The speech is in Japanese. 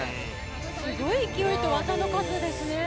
すごい勢いと技の数ですね。